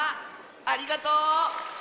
ありがとう！